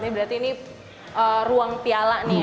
berarti ini ruang piala nih ya